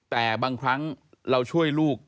แต่บางครั้งเราช่วยลูก